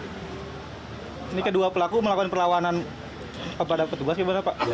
ini kedua pelaku melakukan perlawanan kepada petugas gimana pak